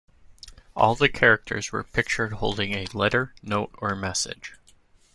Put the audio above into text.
All the characters were pictured holding a letter, note or message.